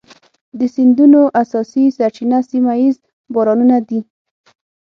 د سیندونو اساسي سرچینه سیمه ایز بارانونه دي.